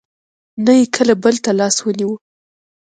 نه یې کله بل ته لاس ونېوه.